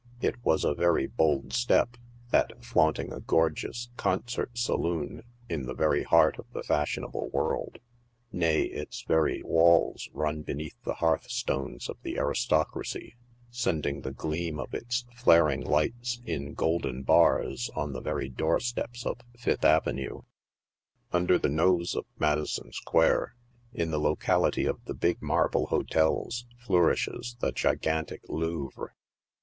It was a very bold step, that flaunting a gorgeous " concert saloon" in the very heart of the fashionable world — nay, its very walls run beneath the hearthstones of the aris tocracy, sending the gleam of its flaring lights in golden bars on the very doorsteps of Fifth avenue. Under the nose of Madison Square, in the locality of the big marble hotels, flourishes the gigantic " Louvre."